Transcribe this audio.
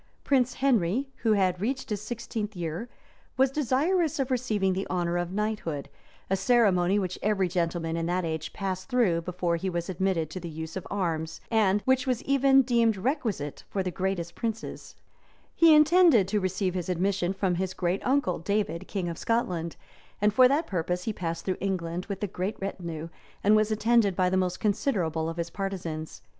Prince Henry, who had reached his sixteenth year, was desirous of receiving the honor of knighthood; a ceremony which every gentleman in that age passed through before he was admitted to the use of arms, and which was even deemed requisite for the greatest princes. [* Epist. St. Thom, p. 225.] [ Chron. W. Thom, p. 1807.] [ Epist. St. Thom, p. 226.] [ Hagulstadt, p. 275, 276.] He intended to receive his admission from his great uncle, David, king of Scotland; and for that purpose he passed through England with a great retinue, and was attended by the most considerable of his partisans.